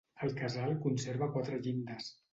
El casal conserva quatre llindes.